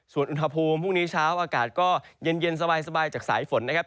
ส่วนอุณหภูมิพรุ่งนี้เช้าอากาศก็เย็นสบายจากสายฝนนะครับ